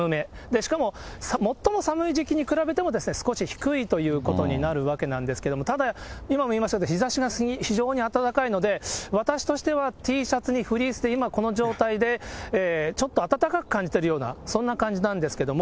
しかも最も寒い時期に比べても、少し低いということになるわけなんですけれども、ただ、今も言いましたけど、日ざしが非常に暖かいので、私としてはＴシャツにフリースで、今この状態でちょっと暖かく感じているような、そんな感じなんですけども。